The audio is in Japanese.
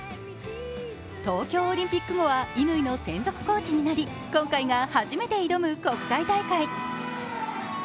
東京オリンピック後は乾の専属コーチになり今回が初めて挑む国際大会。